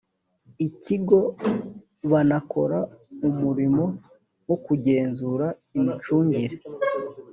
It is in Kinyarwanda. ikigo banakora umurimo wo kugenzura imicungire